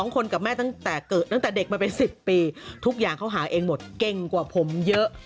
คนกับแม่ตั้งแต่เกิดตั้งแต่เด็กมาเป็น๑๐ปีทุกอย่างเขาหาเองหมดเก่งกว่าผมเยอะ